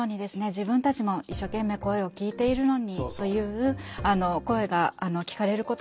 自分たちも一生懸命声を聴いているのにという声が聞かれることもあります。